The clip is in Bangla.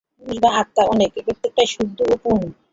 পুরুষ বা আত্মা অনেক, প্রত্যেকেই শুদ্ধ ও পূর্ণ।